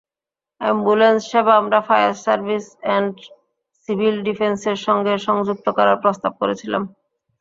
অ্যাম্বুলেন্স-সেবা আমরা fire service and civil ডিফেন্সের সঙ্গে সংযুক্ত করার প্রস্তাব করেছিলাম।